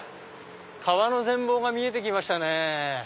川の全貌が見えて来ましたね。